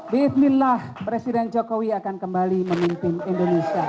bismillah presiden jokowi akan kembali memimpin indonesia